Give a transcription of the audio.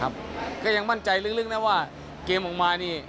ก็ยังมั่นใจลึกนะว่าเกมออกมานี่